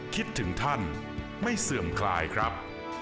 คิดถึงท่านไม่เสื่อมคลายครับ